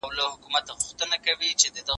زه به د سبا لپاره د يادښتونه ترتيب کړي وي!